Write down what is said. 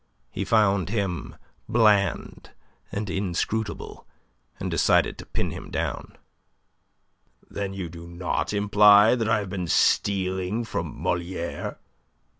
He found him bland and inscrutable, and decided to pin him down. "Then you do not imply that I have been stealing from Moliere?"